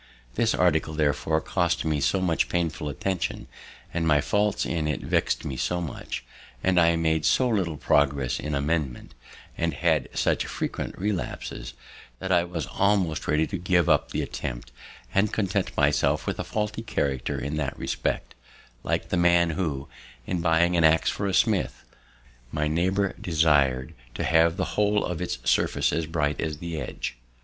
This article, therefore, cost me so much painful attention, and my faults in it vexed me so much, and I made so little progress in amendment, and had such frequent relapses, that I was almost ready to give up the attempt, and content myself with a faulty character in that respect, like the man who, in buying an ax of a smith, my neighbour, desired to have the whole of its surface as bright as the edge.